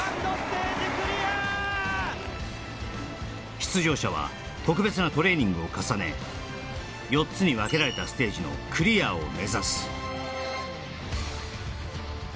出場者は特別なトレーニングを重ね４つに分けられたステージのクリアを目指す